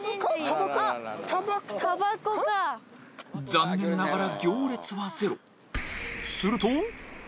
残念ながら行列はゼロえ？